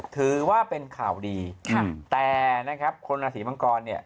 ถือว่าเป็นข่าวดีค่ะแต่นะครับคนราศีมังกรเนี่ย